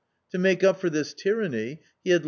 To make up for th is ^tyranny, hg_had